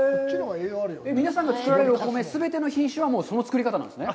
皆さんが作られるお米全ての品種はその作り方なんですね。